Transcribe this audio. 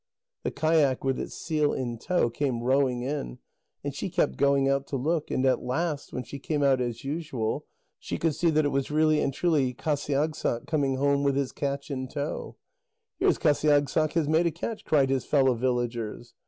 The kayak with its seal in tow came rowing in, and she kept going out to look, and at last, when she came out as usual, she could see that it was really and truly Qasiagssaq, coming home with his catch in tow. "Here is Qasiagssaq has made a catch," cried his fellow villagers.